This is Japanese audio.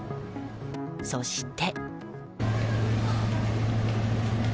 そして。